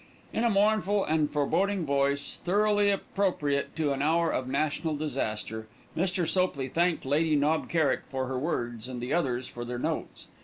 In a mournful and foreboding voice, thoroughly appropriate to an hour of national disaster, Mr. Sopley thanked Lady Knob Kerrick for her words, and the others for their notes.